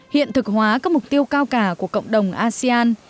hiện thực hóa các mục tiêu cao cả của cộng đồng asean